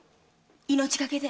命懸けで！